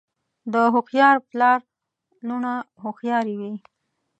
د هوښیار پلار لوڼه هوښیارې وي.